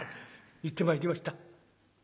「行ってまいりました」。